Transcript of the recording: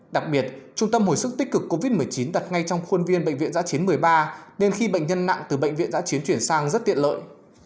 đặc biệt trung tâm hồi sức tích cực covid một mươi chín đặt ngay trong khuôn viên bệnh viện giã chiến một mươi ba nên khi bệnh nhân nặng từ bệnh viện giã chiến chuyển sang rất tiện lợi